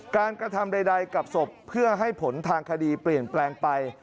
กระทำใดกับศพเพื่อให้ผลทางคดีเปลี่ยนแปลงไป